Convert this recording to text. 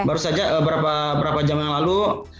baru saja beberapa jam yang lalu